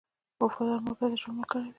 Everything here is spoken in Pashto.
• وفادار ملګری د ژوند ملګری دی.